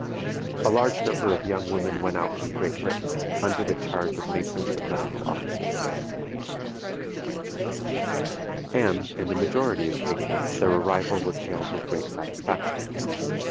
A large number of young women went out from Great Britain, under the charge of matrons and medical officers, and, in the majority of cases, their arrival was hailed with great satisfaction.